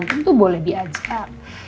tapi pertanyaannya sekarang